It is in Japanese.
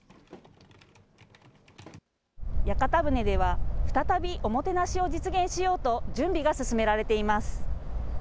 屋形船では再び、おもてなしを実現しようと準備が進められています。